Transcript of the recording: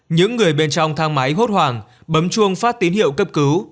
những người bên trong thang máy hốt hoảng bấm chuông phát tín hiệu cấp cứu